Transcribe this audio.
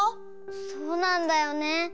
そうなんだよね。